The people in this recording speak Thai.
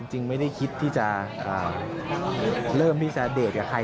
จริงไม่ได้คิดที่จะเริ่มที่จะเดทกับใคร